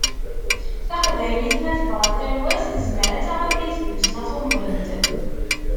Taqbaylit, ma tebɣa tarwa-s, tezmer ad taɣ abrid n tussna tumḍint.